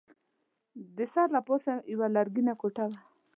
د سر له پاسه مې یوه لرګینه ټوټه وه.